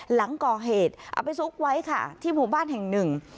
หลังก่อเหตุเอาไปซุกไว้ค่ะที่หมู่บ้านแห่งหนึ่ง